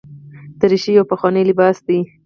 دریشي یو پخوانی لباس دی.